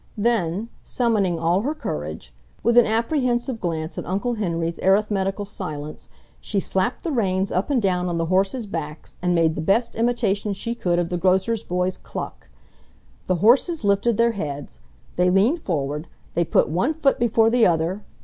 Then, summoning all her courage, with an apprehensive glance at Uncle Henry's arithmetical silence, she slapped the reins up and down on the horses' backs and made the best imitation she could of the grocer's boy's cluck. The horses lifted their heads, they leaned forward, they put one foot before the other